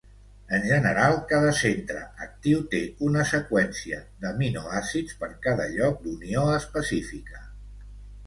En general cada centre actiu té una seqüència d'aminoàcids per cada lloc d'unió específica.